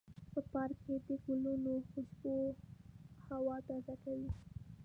په پارک کې د ګلانو خوشبو هوا تازه کوي.